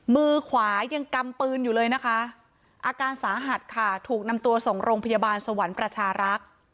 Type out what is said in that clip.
มือขวายังกำปืนอยู่เลยนะคะอาการสาหัสค่ะถูกนำตัวส่งโรงพยาบาลสวรรค์ประชารักษ์